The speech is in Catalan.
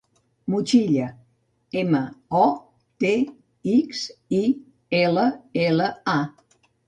Motxilla: ema, o, te, ics, i, ela, ela, a.